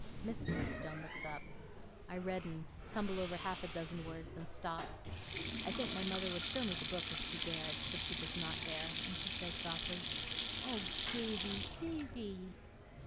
Miss Murdstone looks up. I redden, tumble over half a dozen words, and stop. I think my mother would show me the book if she dared, but she does not dare, and she says softly: 'Oh, Davy, Davy!